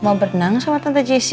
mau berenang sama tante jessi